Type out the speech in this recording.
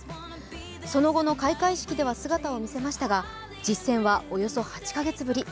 その後の開会式では姿を見せましたが実戦はおよそ８カ月ぶり。